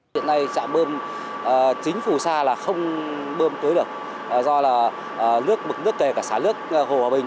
điện nay trạm bơm chính phù sa là không bơm tới được do là nước kề cả xã nước hồ hòa bình